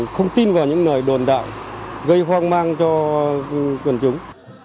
không tin vào những lời đồn đạo gây hoang mang cho quần chúng